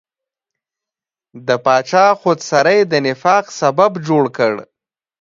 د پاچا خودسرۍ د نفاق سبب جوړ کړ.